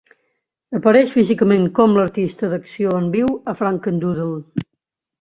Apareix físicament com l'artista d'acció en viu a "Frankendoodle".